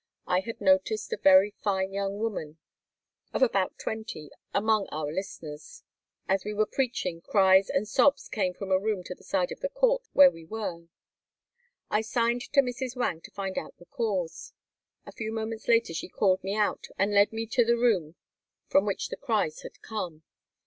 I had noticed a very fine young woman of about twenty among pur listeners. As we were preaching cries and sobs came from a room to the side of the court where we were. I signed to Mrs. Wang to find out the cause. A few moments later she called me out, and led me to the room from which the cries had come.